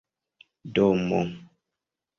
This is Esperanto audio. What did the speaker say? domo